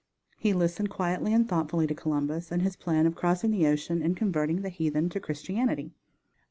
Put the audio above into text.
He listened quietly and thoughtfully to Columbus and his plan of crossing the ocean and converting the heathen to Christianity.